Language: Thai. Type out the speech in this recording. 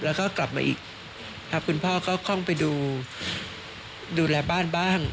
แล้วก็กลับมาอีกครับคุณพ่อก็คล่องไปดูแลบ้านบ้าง